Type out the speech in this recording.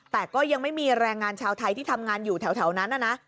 แต่ก็ยังไม่มีแรงงานชาวไทยที่ทำงานอยู่แถวนั้นนะ